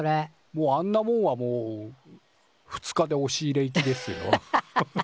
もうあんなもんはもう２日でおし入れいきですよ。